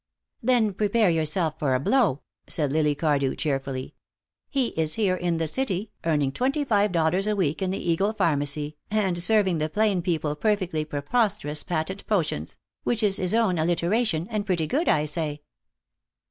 "Then prepare yourself for a blow," said Lily Cardew, cheerfully. "He is here in the city, earning twenty five dollars a week in the Eagle Pharmacy, and serving the plain people perfectly preposterous patent potions which is his own alliteration, and pretty good, I say."